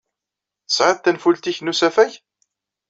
Tesɛid tanfult-nnek n usafag?